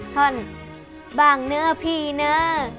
ท่อนบ้างเนื้อพี่เนอะ